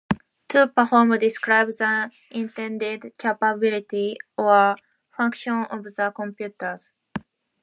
"To perform" describes the intended capability or function of the computers.